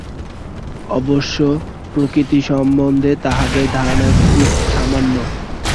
অবশ্য প্রকৃতি সম্বন্ধে তাঁহাদের ধারণা খুব সামান্য।